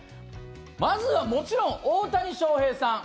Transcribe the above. まずはもちろん、大谷翔平さん。